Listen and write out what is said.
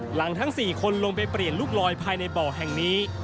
ทั้ง๔คนลงไปเปลี่ยนลูกลอยภายในบ่อแห่งนี้